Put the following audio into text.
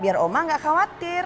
biar oma gak khawatir